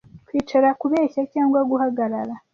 kwicara kubeshya cyangwa guhagarara